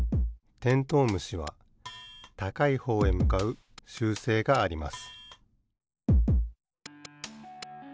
テントウムシはたかいほうへむかうしゅうせいがあります